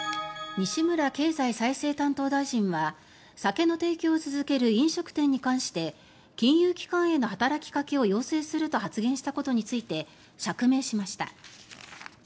西村経済再生担当大臣は酒の提供を続ける飲食店に関して金融機関への働きかけを要請すると発言したことについて釈明しました。